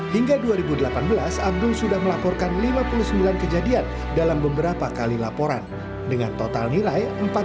hingga dua ribu delapan belas abdul sudah melaporkan lima puluh sembilan kejadian dalam beberapa kali laporan dengan total nilai rp empat dua ratus enam puluh